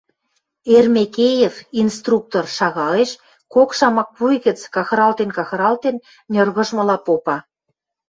Эрмекеев, инструктор, шагалеш, кок шамак вуй гӹц кахыралтен-кахыралтен, ньыргыжмыла попа: